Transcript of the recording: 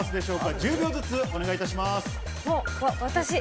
１０秒ずつお願いします。